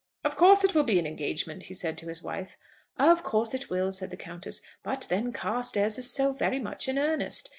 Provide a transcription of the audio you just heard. "Of course it will be an engagement," he said to his wife. "Of course it will," said the Countess. "But then Carstairs is so very much in earnest.